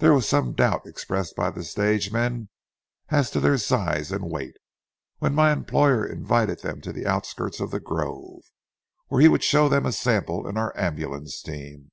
There was some doubt expressed by the stage men as to their size and weight, when my employer invited them to the outskirts of the grove, where he would show them a sample in our ambulance team.